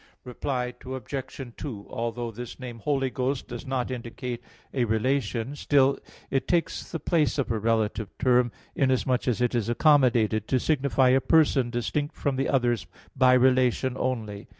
Reply Obj. 2: Although this name "Holy Ghost" does not indicate a relation, still it takes the place of a relative term, inasmuch as it is accommodated to signify a Person distinct from the others by relation only.